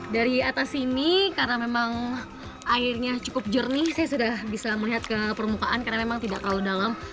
dari atas sini karena memang airnya cukup jernih saya sudah bisa melihat ke permukaan karena memang tidak terlalu dalam